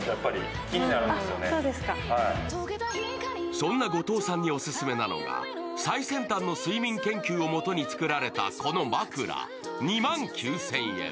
そんな後藤さんにオススメなのが最先端の睡眠研究を元に作られたこの枕、２万９０００円。